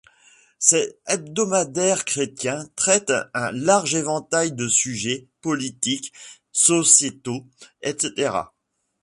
Cet hebdomadaire chrétien traite un large éventail de sujets, politiques, sociétaux etc.